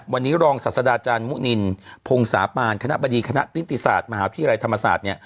วันนี้รองศาสดาอาจารย์มุนินพงศาปานคณะบดีคณะติศาสตร์มหาวิทยาลัยธรรมศาสตร์เนี่ย